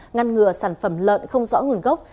ngăn ngừa sản phẩm lợn không rõ nguồn gốc